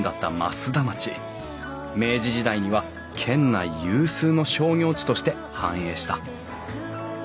明治時代には県内有数の商業地として繁栄した。